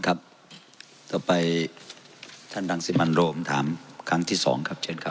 ต่อไปท่านรังสิมันโรมถามครั้งที่สองครับเชิญครับ